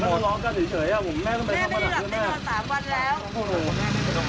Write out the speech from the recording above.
แม่ก็ให้โอกาสแม่ก็ไล่ออกไปจะไปเช่าห้องอยู่แล้วค่ะแม่